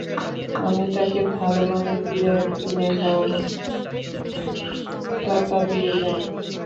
আমি তাকে ভালো মানের বিরিয়ানি কিনে খাওয়াবো, টাকা দিয়ে যান।